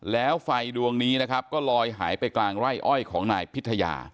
แล้วไฟดวงนี้นะครับก็ลอยหายไปกลางไร่อ้อยของนายพิทยา